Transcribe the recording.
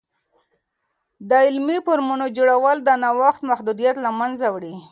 د علمي فورمونو جوړول، د نوښت محدودیت له منځه وړي.